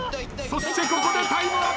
そしてここでタイムアップ。